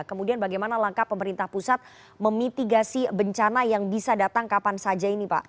kemudian bagaimana langkah pemerintah pusat memitigasi bencana yang bisa datang kapan saja ini pak